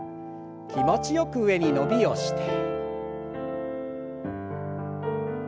気持ちよく上に伸びをして。